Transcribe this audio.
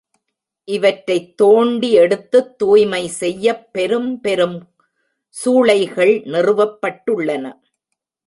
இவற்றைத் தோண்டி எடுத்துத் தூய்மை செய்யப்பெரும் பெரும் சூளைகள் நிறுவப்பட்டுள்ளன.